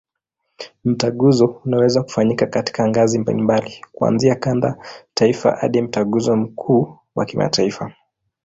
Mtaguso unaweza kufanyika katika ngazi mbalimbali, kuanzia kanda, taifa hadi Mtaguso mkuu wa kimataifa.